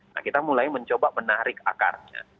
nah kita mulai mencoba menarik akarnya